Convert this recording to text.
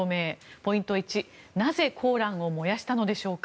ポイント１、なぜコーランを燃やしたのでしょうか。